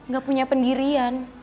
gak punya pendirian